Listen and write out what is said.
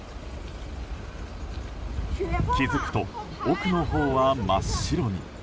気づくと奥のほうは真っ白に。